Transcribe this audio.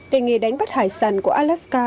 để nghề đánh bắt hải sản của alaska